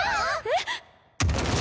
えっ？